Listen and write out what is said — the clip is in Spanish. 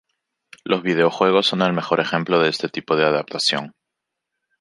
Los videojuegos son el mejor ejemplo de este tipo de adaptación.